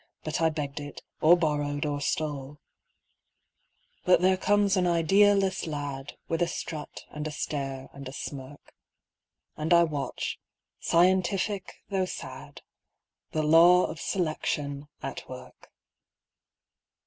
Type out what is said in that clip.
But I begged it, or borrowed, or stole. NATCKAL SELECTION. 3^5 But there comes an idealess lad, With a strut, and a stare, and a smirk ; And I watch, scientific though sad, The Law of Selection at work.